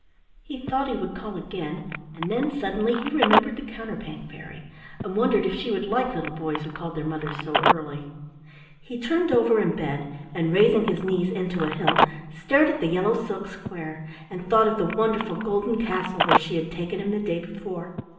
He thought he would call again, and then suddenly he remembered the Counterpane Fairy, and wondered if she would like little boys who called their mothers so early. He turned over in bed, and raising his knees into a hill stared at the yellow silk square and thought of the wonderful golden castle where she had taken him the day before.